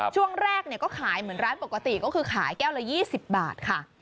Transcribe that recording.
ช่วงแรกก็ขายเหมือนร้านปกติก็คือขายแก้วละ๒๐บาทค่ะ